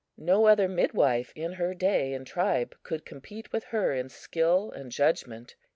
No other midwife in her day and tribe could compete with her in skill and judgment.